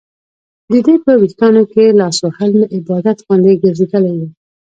د دې په ویښتانو کې لاس وهل مې عادت غوندې ګرځېدلی و.